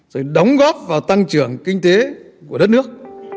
rồi đóng góp vào tăng trưởng kinh tế của đất nước